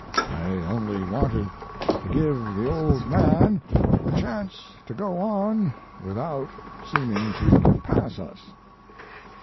I only wanted to give the old man a chance to go on without seeming to pass us."